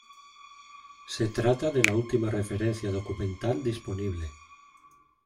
Se trata de la última referencia documental disponible.